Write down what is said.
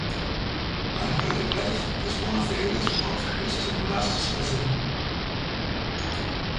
The anchoritic life is one of the earliest forms of Christian monasticism.